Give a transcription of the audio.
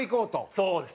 そうです。